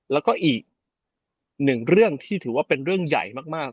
แล้วก็อีกหนึ่งเรื่องที่ถือว่าเป็นเรื่องใหญ่มาก